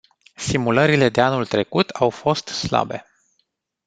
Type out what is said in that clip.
Simulările de anul trecut au fost slabe.